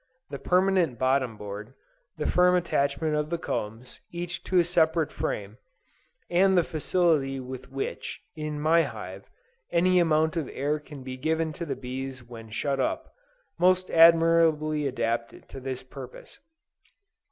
The permanent bottom board, the firm attachment of the combs, each to a separate frame, and the facility with which, in my hive, any amount of air can be given to the bees when shut up, most admirably adapt it to this purpose.